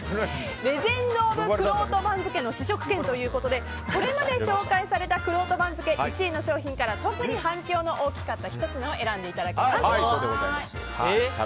レジェンド・オブ・くろうと番付試食券ということでこれまで紹介されたくろうと番付１位の商品から特に反響の多かった１品を選んでいただきます。